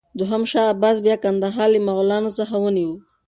دوهم شاه عباس بیا کندهار له مغلانو څخه ونیوه.